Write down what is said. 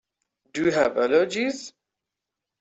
Do you have allergies?